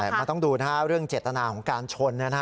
มาต้องดูเรื่องเจตนาของการชนนะครับ